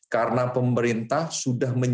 karena pemerintah sudah mencari